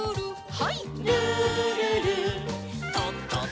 はい。